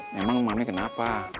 memang mami kenapa